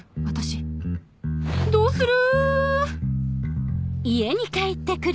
私どうする？